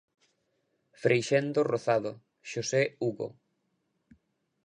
Freixendo Rozado, Xosé Hugo.